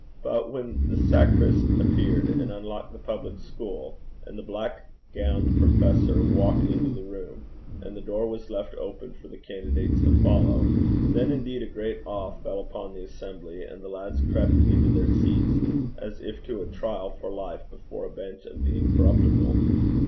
But when the sacrist appeared and unlocked the public school, and the black gowned professors walked into the room, and the door was left open for the candidates to follow, then indeed a great awe fell upon the assembly, and the lads crept into their seats as if to a trial for life before a bench of the incorruptible.